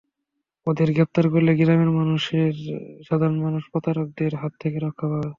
ওদের গ্রেপ্তার করলে গ্রামের সাধারণ মানুষ প্রতারকদের হাত থেকে রক্ষা পাবে।